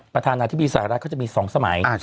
ประธานาธิบดีสหรัฐเขาจะมี๒สมัย